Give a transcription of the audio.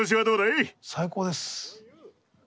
最高です。